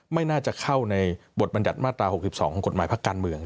ไม่น่าจะเข้าในบทบรรยัติมาตรา๖๒ของกฎหมายพักการเมือง